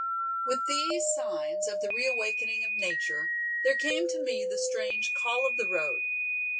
With these signs of the re awakening of Nature there came to me the strange "Call of the Road".